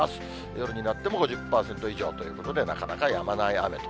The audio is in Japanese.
夜になっても５０％以上ということで、なかなかやまない雨と。